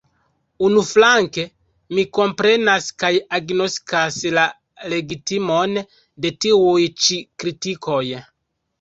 Unuflanke, mi komprenas kaj agnoskas la legitimon de tiuj ĉi kritikoj.